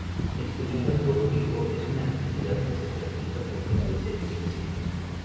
El turismo ecológico es una actividad que se practica con frecuencia en el municipio.